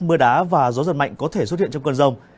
mưa đá và gió giật mạnh có thể xuất hiện trong cơn rông